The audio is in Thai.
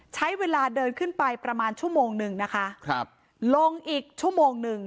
ใช้เวลาเดินขึ้นไปประมาณชั่วโมงหนึ่งนะคะครับลงอีกชั่วโมงหนึ่ง